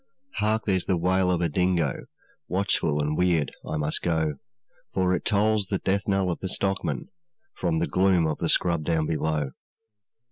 'Hark! there's the wail of a dingo, Watchful and weird I must go, For it tolls the death knell of the stockman From the gloom of the scrub down below.